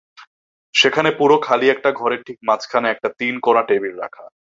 সেখানে পুরো খালি একটা ঘরের ঠিক মাঝখানে একটা তিন কোনা টেবিল রাখা।